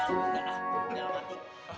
akhirnya angga berammidstock udah sampai